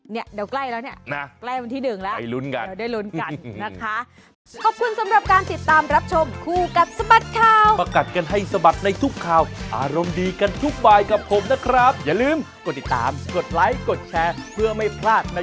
เนี่ยเดี๋ยวใกล้แล้วเนี่ยใกล้วันที่๑แล้วได้ลุ้นกันนะคะไปลุ้นกัน